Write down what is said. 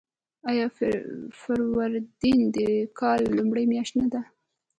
آیا فروردین د کال لومړۍ میاشت نه ده؟